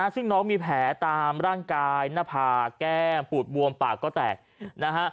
ซึ่งน้องมีแผลตามร่างกายหน้าผากแก้มปูดบวมปากก็แตกนะฮะ